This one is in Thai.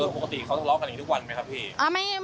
ปกติเขาทะเลาะกันอย่างนี้ทุกวันไหมครับพี่